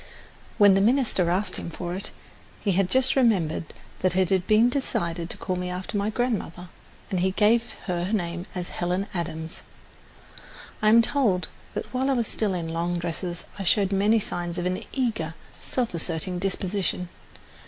When the minister asked him for it, he just remembered that it had been decided to call me after my grandmother, and he gave her name as Helen Adams. I am told that while I was still in long dresses I showed many signs of an eager, self asserting disposition.